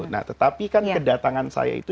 nah tetapi kan kedatangan saya itu